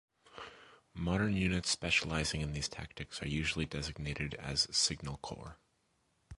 Modern units specializing in these tactics are usually designated as "signal corps".